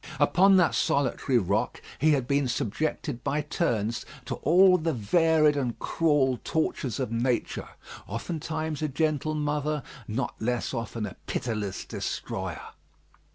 Upon that solitary rock he had been subjected by turns to all the varied and cruel tortures of nature; oftentimes a gentle mother, not less often a pitiless destroyer.